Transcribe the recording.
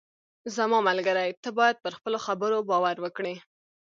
زما ملګری، ته باید پر خپلو خبرو باور وکړې.